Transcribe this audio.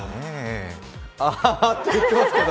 あって言ってますけど。